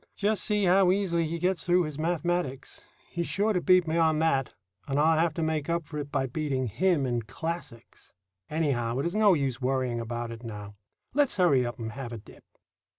Just see how easily he gets through his mathematics. He's sure to beat me on that, and I'll have to make up for it by beating him in classics. Anyhow, it is no use worrying about it now. Let's hurry up and have a dip."